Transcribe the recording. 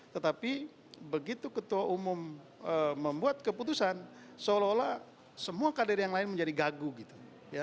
tetapi begitu ketua umum membuat keputusan seolah olah semua kader yang lain menjadi gagu gitu